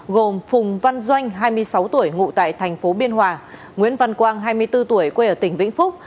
gồm phùng văn doanh hai mươi sáu tuổi ngụ tại thành phố biên hòa nguyễn văn quang hai mươi bốn tuổi quê ở tỉnh vĩnh phúc